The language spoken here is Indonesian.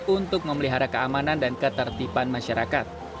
untuk memelihara keamanan dan ketertiban masyarakat